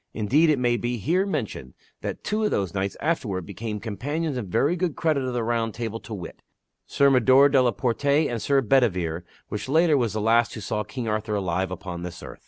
Indeed it may be here mentioned that two of those knights afterward became companions in very good credit of the round table to wit: Sir Mador de la Porte, and Sir Bedevere which latter was the last who saw King Arthur alive upon this earth.